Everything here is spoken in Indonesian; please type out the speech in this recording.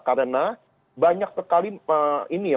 karena banyak sekali ini ya